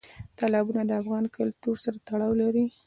تالابونه د افغان کلتور سره تړاو لري.